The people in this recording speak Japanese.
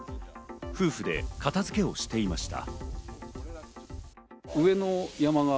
夫婦で片付けをしていました。